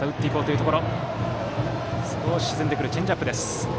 少し沈んでくるチェンジアップでした。